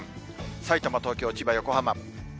さいたま、東京、千葉、横浜。